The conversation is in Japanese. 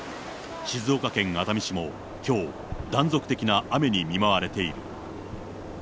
静岡県熱海市もきょう、断続的な雨に見舞われている。